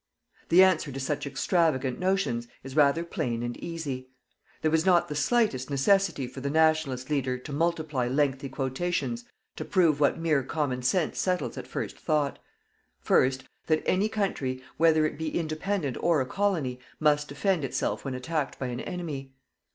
The answer to such extravagant notions is rather plain and easy. There was not the slightest necessity for the Nationalist leader to multiply lengthy quotations to prove what mere common sense settles at first thought: First: That any country, whether it be independent or a colony, must defend itself when attacked by an enemy.